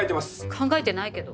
考えてないけど。